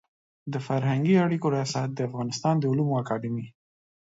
د فرهنګي اړیکو ریاست د افغانستان د علومو اکاډمي